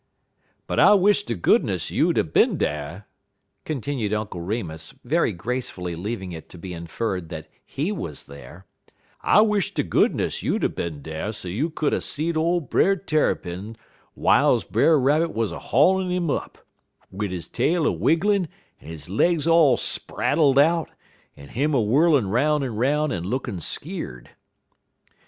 "But I wish ter goodness you'd 'a' bin dar," continued Uncle Remus, very gracefully leaving it to be inferred that he was there; "I wish ter goodness you'd 'a' bin dar so you could er seed ole Brer Tarrypin w'iles Brer Rabbit 'uz haulin' 'im up, wid he tail a wigglin' en he legs all spraddled out, en him a whirlin' 'roun' en 'roun' en lookin' skeer'd.